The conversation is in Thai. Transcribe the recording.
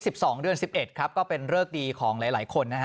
สองเดือนสิบเอ็ดครับก็เป็นเริกดีของหลายหลายคนนะฮะ